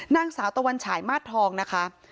นางสาวตะวันฉายมาสทองนะคะ